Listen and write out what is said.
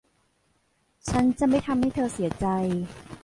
ฉันจะไม่ทำให้เธอเสียใจ